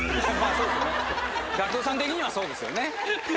ＧＡＣＫＴさん的にはそうですよね。